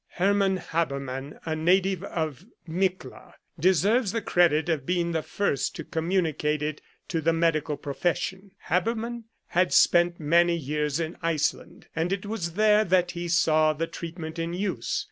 Hermann Habermann, a native of Mikla, deserves the credit of being the first to communicate it to the medical profession. Habermann had spent 128 r " Flagellum Salutis" many years in Iceland, and it was there that he saw the treatment in use.